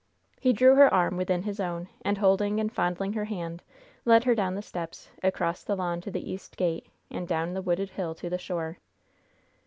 He drew her arm within his own, and holding and fondling her hand, led her down the steps, across the lawn to the east gate, and down the wooded hill to the shore.